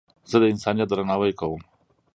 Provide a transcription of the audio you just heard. زه د انسانیت درناوی کوم.